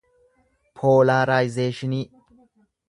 poolaaraayizeeshinii